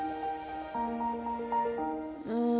うん。